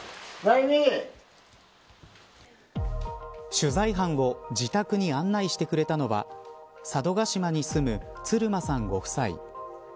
取材班を自宅に案内してくれたのは佐渡島に住む鶴間さんご夫妻。